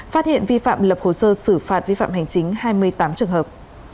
phát hiện vi phạm lập hồ sơ xử phạt vi phạm hành chính hai mươi tám trường hợp